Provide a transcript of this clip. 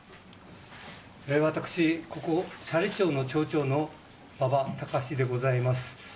私、ここ斜里町の町長でございます。